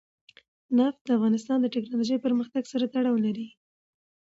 نفت د افغانستان د تکنالوژۍ پرمختګ سره تړاو لري.